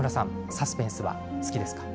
サスペンスはお好きですか？